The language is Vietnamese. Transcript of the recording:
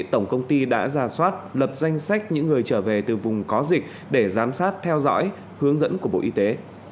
tổng công ty đã ra soát lập danh sách những người trở về từ vùng có dịch để giám sát theo dõi hướng dẫn của bộ y tế